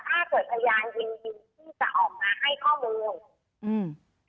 ถ้าเกิดพยานยินดีที่จะออกมาให้ข้อมูล